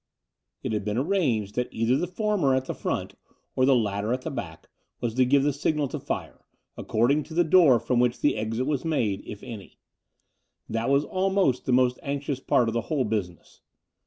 286 The Door of the Unreal It had been arranged that either the former at the front or the latter at the back was to give the signal to fire, according to the door from which the exit was made — ^if any. That was almost the most anxious part of the whole btisiness.